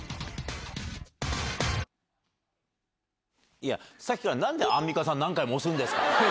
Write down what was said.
いや、さっきからなんで何回もアンミカさん押すんですか。